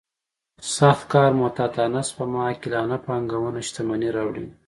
سخت کار محتاطانه سپما عاقلانه پانګونه شتمني راوړي.